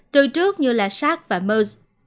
từ trước như sars và mers